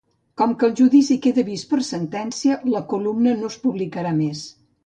Com que el judici queda vist per sentència, la columna no es publicarà més.